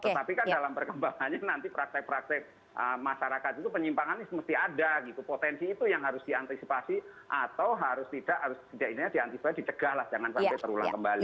tetapi kan dalam perkembangannya nanti praktek praktek masyarakat itu penyimpangan mesti ada gitu potensi itu yang harus diantisipasi atau harus tidak harus diantisipasi dicegah lah jangan sampai terulang kembali